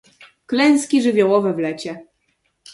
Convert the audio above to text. Klęski żywiołowe w lecie